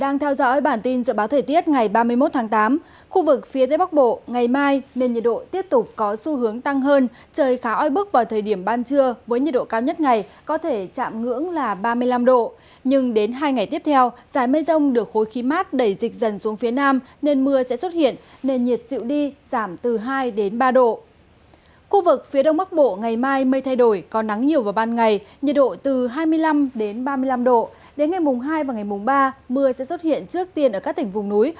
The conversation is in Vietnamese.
nhiệt độ từ hai mươi năm đến ba mươi năm độ đến ngày mùng hai và ngày mùng ba mưa sẽ xuất hiện trước tiên ở các tỉnh vùng núi